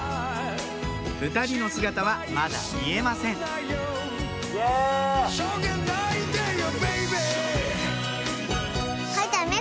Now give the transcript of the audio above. ２人の姿はまだ見えません悠！